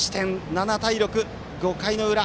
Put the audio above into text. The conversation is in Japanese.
７対６、５回の裏。